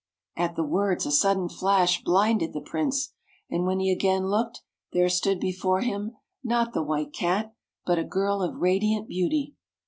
At the words, a sudden flash blinded the Prince, and when he again looked, there stood before him, not the White Cat, but a girl of radiant beauty.